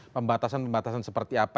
pembatasan pembatasan seperti apa